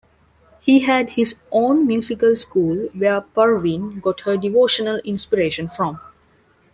He had his own musical school where Parveen got her devotional inspiration from.